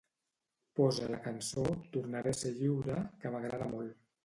Posa la cançó "Tornaré a ser lliure" que m'agrada molt